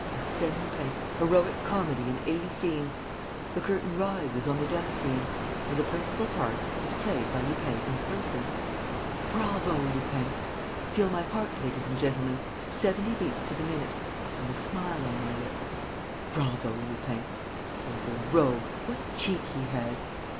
... Arsène Lupin, heroic comedy in eighty scenes. ... The curtain rises on the death scene ... and the principal part is played by Lupin in person. ... 'Bravo, Lupin!' ... Feel my heart, ladies and gentlemen ... seventy beats to the minute. ... And a smile on my lips. ... 'Bravo, Lupin! Oh, the rogue, what cheek he has!'